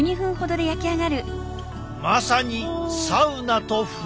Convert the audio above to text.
まさにサウナと風呂！